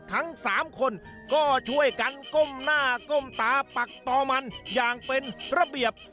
ทั้ง๓คนก็ช่วยกันก้มหน้าก้มตาปักต่อมันอย่างเป็นระเบียบ